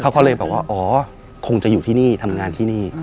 เขาก็เลยบอกว่าอ๋อคงจะอยู่ที่นี่ทำงานที่นี่